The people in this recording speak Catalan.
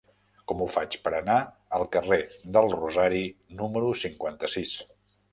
Com ho faig per anar al carrer del Rosari número cinquanta-sis?